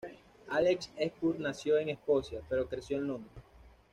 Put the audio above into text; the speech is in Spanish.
Alex Hepburn nació en Escocia, pero creció en Londres.